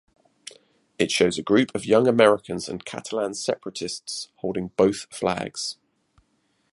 It shows a group of young Americans and Catalan separatists holding both flags.